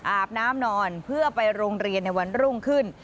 อาบน้ำนอนเพื่อไปโรงเรียนในวันรุ่งขึ้น